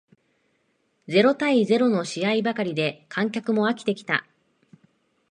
ゼロ対ゼロの試合ばかりで観客も飽きてきた